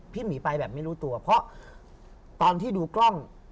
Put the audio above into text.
หมีไปแบบไม่รู้ตัวเพราะตอนที่ดูกล้อง